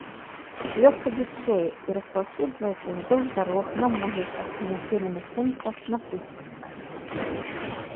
Лёгка дзічэе і распаўсюджваецца ўздоўж дарог, на могілках, у населеных пунктах, на пустках.